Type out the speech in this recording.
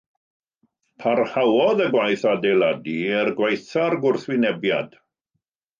Parhaodd y gwaith adeiladu er gwaetha'r gwrthwynebiad.